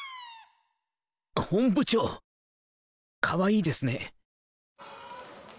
本部長かわいいですね。